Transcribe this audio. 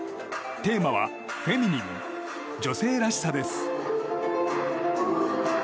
テーマはフェミニン女性らしさです。